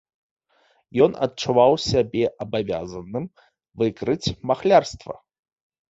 Ён адчуваў сябе абавязаным выкрыць махлярства.